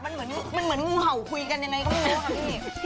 มันเหมือนงูเห่าคุยกันยังไงก็ไม่รู้ค่ะพี่